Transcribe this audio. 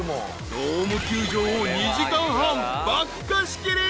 ［ドーム球場を２時間半爆貸し切り。